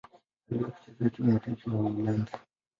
Aliwahi kucheza timu ya taifa ya Uholanzi.